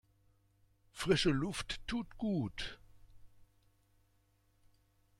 Frische Luft tut gut.